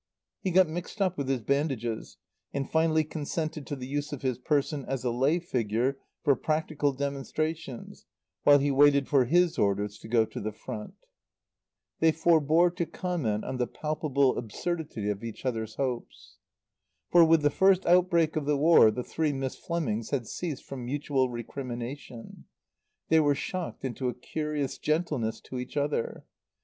He got mixed up with his bandages, and finally consented to the use of his person as a lay figure for practical demonstrations while he waited for his orders to go to the Front. They forebore to comment on the palpable absurdity of each other's hopes. For, with the first outbreak of the War, the three Miss Flemings had ceased from mutual recrimination. They were shocked into a curious gentleness to each other.